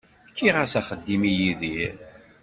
Fkiɣ-as axeddim i Yidir.